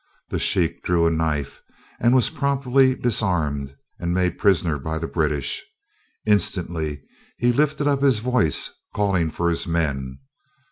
The sheikh drew a knife and was promptly disarmed and made prisoner by the British. Instantly he lifted up his voice, calling for his men.